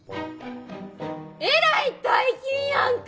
えらい大金やんか！